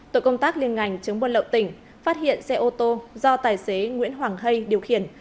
tội công tác liên ngành chống buôn lậu tỉnh phát hiện xe ô tô do tài xế nguyễn hoàng hay điều khiển